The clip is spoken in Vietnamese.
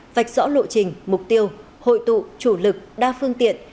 vạch rõ lộ trình mục tiêu hội tụ chủ lực đa phương tiện